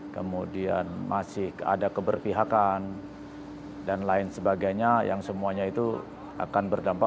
kemudian masih ada keberpihakan dan lain sebagainya yang semuanya itu akan berdampak